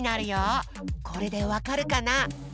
これでわかるかな？